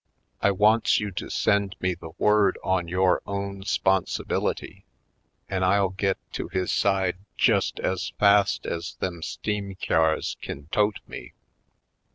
I wants you to send me the word on yore own 'sponsi bility an' I'll git to his side jest ez fast ez them steam cyars kin tote me."